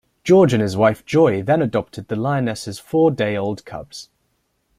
George and his wife Joy then adopted the lioness's four-day-old cubs.